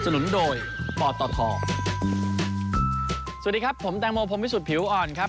สวัสดีครับผมแตงโมพรมพิสุทธิผิวอ่อนครับ